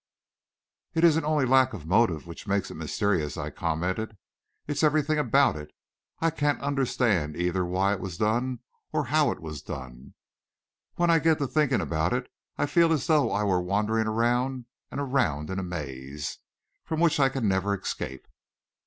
"It isn't only lack of motive which makes it mysterious," I commented; "it's everything about it. I can't understand either why it was done or how it was done. When I get to thinking about it, I feel as though I were wandering around and around in a maze, from which I can never escape."